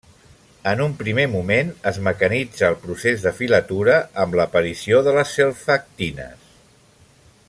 En un primer moment es mecanitzà el procés de filatura, amb l'aparició de les selfactines.